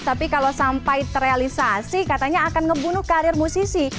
tapi kalau sampai terrealisasi katanya akan ngebunuh karir musisi